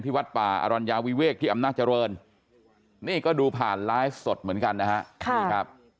ที่วัดป่าอรรณยาวิเวกที่อำนาจเจริญนี่ก็ดูผ่านไลฟ์สดเหมือนกันนะครับ